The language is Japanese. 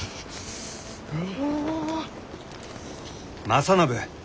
正信。